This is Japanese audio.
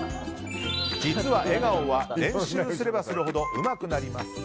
実は笑顔は練習すればするほどうまくなります。